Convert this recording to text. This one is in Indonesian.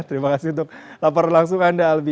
terima kasih untuk laporan langsung anda albi